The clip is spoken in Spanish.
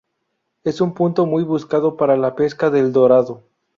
Es un punto muy buscado para la pesca del dorado.